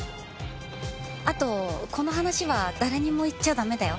あとこの話は誰にも言っちゃ駄目だよ。